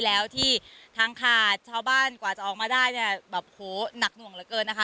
แล้วที่ทางขาดชาวบ้านกว่าจะออกมาได้เนี่ยแบบโหหนักหน่วงเหลือเกินนะคะ